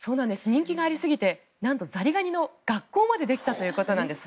人気がありすぎてなんとザリガニの学校までできたということなんです。